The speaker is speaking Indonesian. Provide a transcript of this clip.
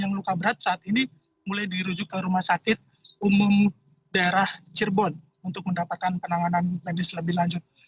yang luka berat saat ini mulai dirujuk ke rumah sakit umum daerah cirebon untuk mendapatkan penanganan medis lebih lanjut